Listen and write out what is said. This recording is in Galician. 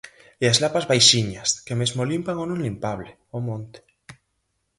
E as lapas baixiñas, que mesmo limpan o non limpable, o monte.